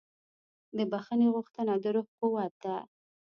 د بښنې غوښتنه د روح قوت ده.